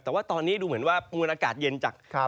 แต่ว่าตอนนี้ดูเหมือนว่ามวลอากาศเย็นจาก